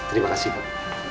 terima kasih pak